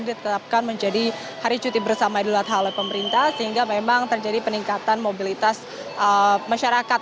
ditetapkan menjadi hari cuti bersama idul adha oleh pemerintah sehingga memang terjadi peningkatan mobilitas masyarakat